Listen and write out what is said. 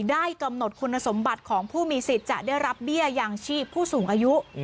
ได้กำหนดคุณสมบัติของผู้มีสิทธิ์จะได้รับเบี้ยยังชีพผู้สูงอายุ